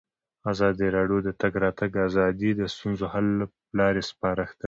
ازادي راډیو د د تګ راتګ ازادي د ستونزو حل لارې سپارښتنې کړي.